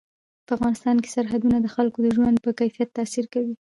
په افغانستان کې سرحدونه د خلکو د ژوند په کیفیت تاثیر کوي.